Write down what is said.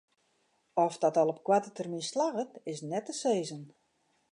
Oft dat al op koarte termyn slagget is net te sizzen.